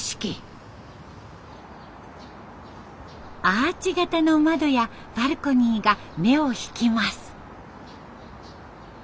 アーチ型の窓やバルコニーが目を引きます。